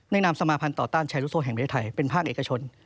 แนะนำสมาภัณฑ์ต่อต้านชายลูกโซ่แห่งเมืองไทยเป็นภาคเอกชน